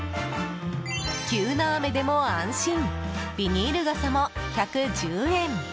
急な雨でも安心ビニール傘も１１０円。